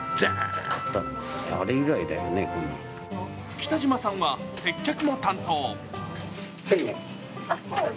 北島さんは接客も担当。